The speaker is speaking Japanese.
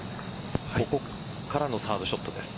ここからのサードショットです。